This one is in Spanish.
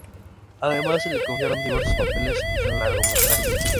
Además, se le confiaron diversos papeles en largometrajes.